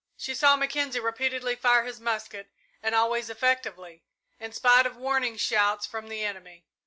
She saw Mackenzie repeatedly fire his musket, and always effectively, in spite of warning shouts from the enemy.